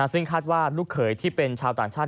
ซึ่งคาดว่าลูกเขยที่เป็นชาวต่างชาติ